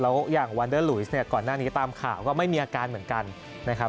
แล้วอย่างวันเดอร์ลุยสเนี่ยก่อนหน้านี้ตามข่าวก็ไม่มีอาการเหมือนกันนะครับ